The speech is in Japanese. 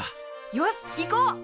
よし行こう！